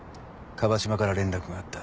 椛島から連絡があった。